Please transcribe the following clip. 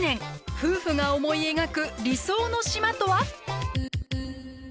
夫婦が思い描く理想の島とは？